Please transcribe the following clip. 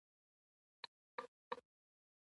عصري تعلیم مهم دی ځکه چې د فټنس ټریکر ګټې بیانوي.